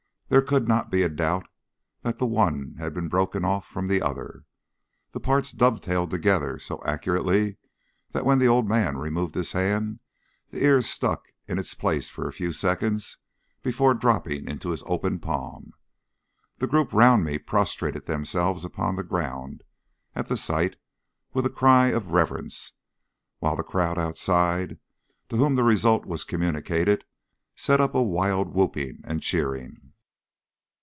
There could not be a doubt that the one had been broken off from the other. The parts dovetailed together so accurately that when the old man removed his hand the ear stuck in its place for a few seconds before dropping into his open palm. The group round me prostrated themselves upon the ground at the sight with a cry of reverence, while the crowd outside, to whom the result was communicated, set up a wild whooping and cheering.